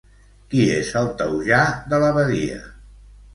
Qui és el taujà de l'abadia?